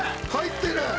入ってる！